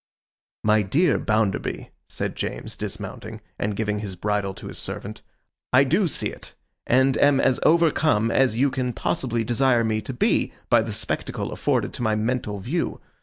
'My dear Bounderby,' said James, dismounting, and giving his bridle to his servant, 'I do see it; and am as overcome as you can possibly desire me to be, by the spectacle afforded to my mental view.